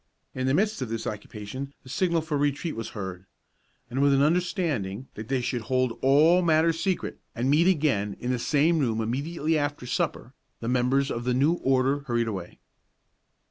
In the midst of this occupation the signal for retreat was heard; and with an understanding that they should hold all matters secret, and meet again in the same room immediately after supper, the members of the new Order hurried away.